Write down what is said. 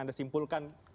ada simpul ke apa